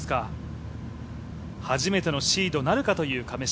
初めてのシードなるかという亀代。